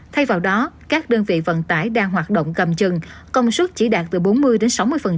thay vào đó các đơn vị vận tải đang hoạt động cầm chừng công suất chỉ đạt từ bốn mươi đến sáu mươi